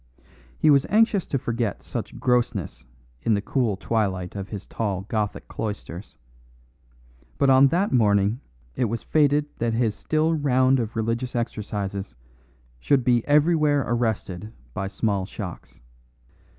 He was anxious to forget such grossness in the cool twilight of his tall Gothic cloisters; but on that morning it was fated that his still round of religious exercises should be everywhere arrested by small shocks.